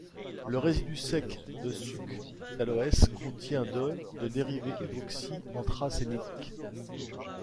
Le résidu sec de suc d'aloès contient de de dérivés hydroxy-anthracéniques.